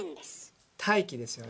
大気ですよね。